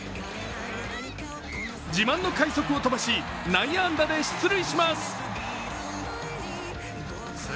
自慢の快足を飛ばし内野安打で出塁します。